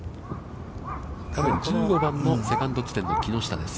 １５番のセカンド地点の木下です。